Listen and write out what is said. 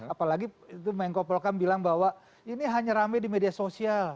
apalagi itu menggobrokan bilang bahwa ini hanya ramai di media sosial